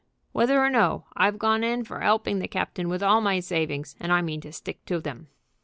Whether or no, I've gone in for 'elping the captain with all my savings, and I mean to stick to them."